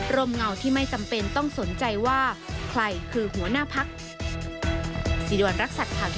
มเงาที่ไม่จำเป็นต้องสนใจว่าใครคือหัวหน้าพัก